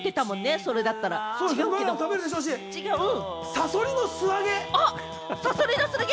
サソリの素揚げ。